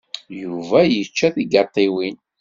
Yuba yečča tigaṭiwin.